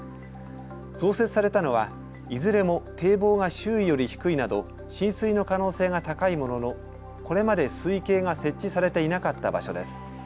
増設されたのはいずれも堤防が周囲より低いなど浸水の可能性が高いもののこれまで水位計が設置されていなかった場所です。